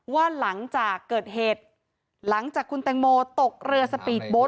ว่าหลังจากเกิดเหตุหลังจากคุณแตงโมตกเรือสปีดโบ๊